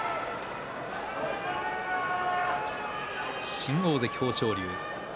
新大関豊昇龍。